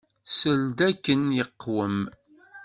Sel-d akken iqwem.